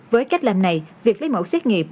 với cách làm này việc lấy mẫu xét nghiệm